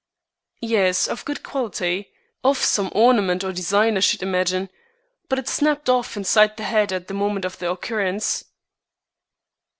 "Yes, of good quality. Off some ornament or design, I should imagine. But it snapped off inside the head at the moment of the occurrence."